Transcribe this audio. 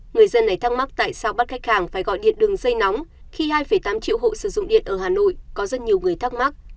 người dân này thắc mắc tại sao bắt khách hàng phải gọi điện đường dây nóng khi hai tám triệu hộ sử dụng điện ở hà nội có rất nhiều người thắc mắc